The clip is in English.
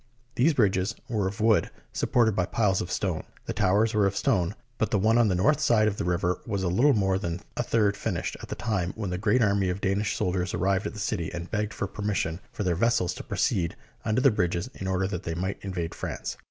These bridges were of wood supported by piles of stone. The towers were of stone, but the one on the north side of the river was little more than a third finished at the time when the great army of Danish soldiers arrived at the city and begged for permission for their vessels to proceed under the bridges in order that they might invade France.